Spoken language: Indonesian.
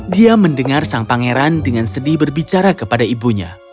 dia mendengar sang pangeran dengan sedih berbicara kepada ibunya